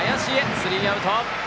スリーアウト。